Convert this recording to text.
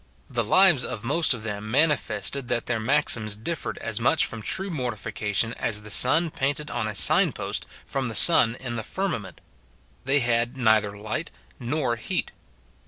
The lives of most of them manifested that their maxims differed as much from true mortification as the sun painted on a sign post from the sun in the firmament ; they had neither light nor heat.